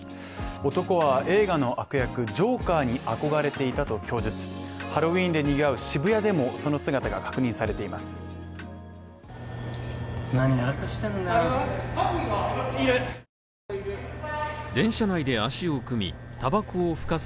男は映画の悪役ジョーカーに憧れていたと供述、ハロウィーンで賑わう渋谷でもその姿が確認されています。